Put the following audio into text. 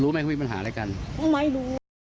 รู้ไหมมีปัญหาอะไรกันไม่รู้